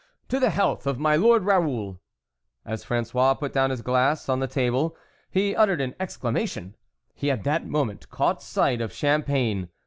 To the health of my Lord Raoul !" As Fran9ois put down his glass on the table, he uttered an exclamation ; he had that moment caught sight of Champagne.